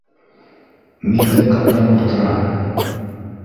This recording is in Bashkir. Миндә коньяк ултыра